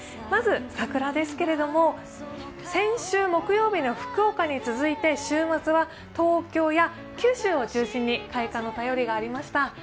まず桜ですけれども、先週木曜日の福岡に続いて週末は東京や九州を中心に開花の便りがありました。